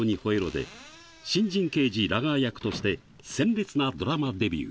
で、新人刑事ラガー役として、鮮烈なドラマデビュー。